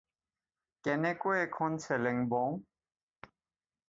কেনেকৈ এখন চেলেং বওঁ?